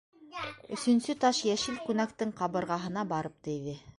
Өсөнсө таш йәшел күнәктең ҡабырғаһына барып тейҙе.